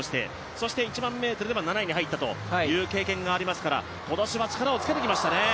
そして１００００ｍでは７位に入ったという経験がありますから、今年は力をつけてきましたね。